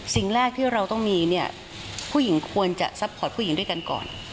สิ่งแรกที่เราต้องมีเนี่ยผู้หญิงควรจะซัพพอร์ตผู้หญิงด้วยกันก่อน